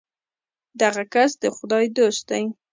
دغه کس د خدای دوست دی.